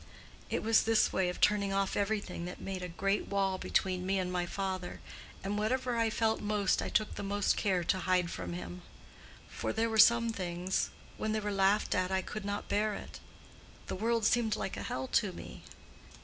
It was this way of turning off everything, that made a great wall between me and my father, and whatever I felt most I took the most care to hide from him. For there were some things—when they were laughed at I could not bear it: the world seemed like a hell to me.